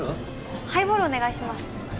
ハイボールお願いします